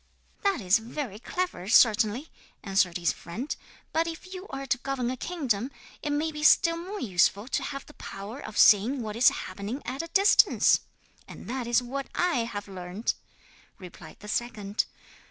'"That is very clever, certainly," answered his friend; "but if you are to govern a kingdom it may be still more useful to have the power of seeing what is happening at a distance; and that is what I have learnt," replied the second.